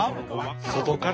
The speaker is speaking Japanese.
外から？